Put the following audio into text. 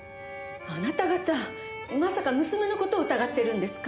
あなた方まさか娘の事を疑ってるんですか？